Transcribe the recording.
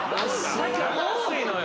多いのよ。